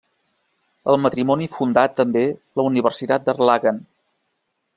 El matrimoni fundà també la Universitat d'Erlangen.